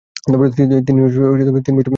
তিনি তিন বছর বয়সে রাজা হন।